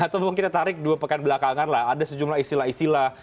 atau mungkin kita tarik dua pekan belakangan lah ada sejumlah istilah istilah